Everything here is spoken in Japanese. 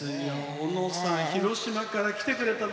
小野さん、広島から来てくれたの？